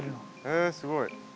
へえすごい。